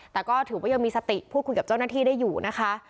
แต่ก็ถือว่ายังมีสติพูดคุยกับเจ้าหน้าที่ได้อยู่นะคะ